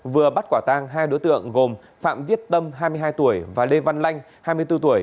vừa bắt quả tang hai đối tượng gồm phạm viết tâm hai mươi hai tuổi và lê văn lanh hai mươi bốn tuổi